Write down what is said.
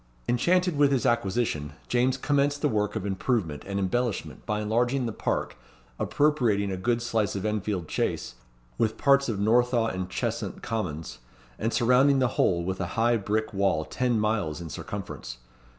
Enchanted with his acquisition, James commenced the work of improvement and embellishment by enlarging the park, appropriating a good slice of Enfield Chace, with parts of Northaw and Cheshunt Commons, and surrounding the whole with a high brick wall ten miles in circumference.